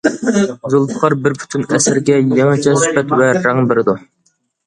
زۇلپىقار بىر پۈتۈن ئەسەرگە يېڭىچە سۈپەت ۋە رەڭ بېرىدۇ.